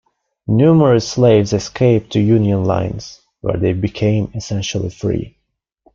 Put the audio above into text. Numerous slaves escaped to Union lines, where they became essentially free.